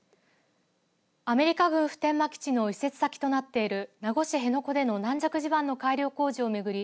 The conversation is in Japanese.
アメリカ軍普天間基地の移設先となっている名護市辺野古での軟弱地盤の改良工事を巡り